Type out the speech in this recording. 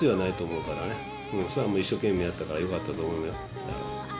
それはもう一生懸命やったからよかったと思うよ。